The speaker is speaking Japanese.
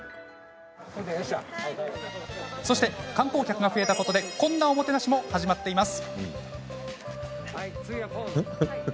そして観光客が増えたことでこんなおもてなしも始まっています。